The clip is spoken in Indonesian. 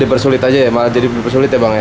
dibersulit aja ya jadi bersulit ya bang ya